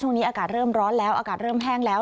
อากาศเริ่มร้อนแล้วอากาศเริ่มแห้งแล้ว